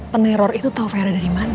peneror itu tau vera dari mana